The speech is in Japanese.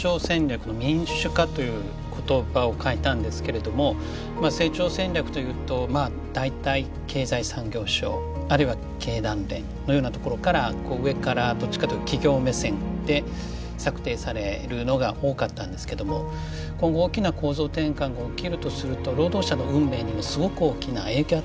という言葉を書いたんですけれどもまあ成長戦略というと大体経済産業省あるいは経団連のようなところからこう上からどっちかというと企業目線で策定されるのが多かったんですけども今後大きな構造転換が起きるとすると労働者の運命にもすごく大きな影響を与えるんですね。